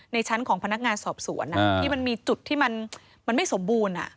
ในชั้นของพนักงานสอบสวนที่มันมีจุดที่มันไม่สมบูรณ์